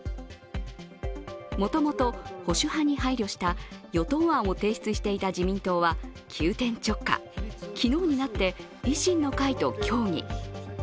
もともと、保守派に配慮した与党案を提出していた自民党は急転直下、昨日になって維新の会と協議。